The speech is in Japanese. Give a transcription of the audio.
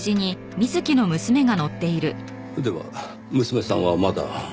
では娘さんはまだ？